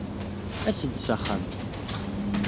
As-d s axxam.